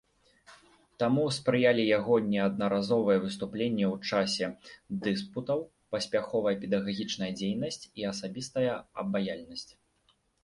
Таму спрыялі яго неаднаразовыя выступленні ў часе дыспутаў, паспяховая педагагічная дзейнасць і асабістая абаяльнасць.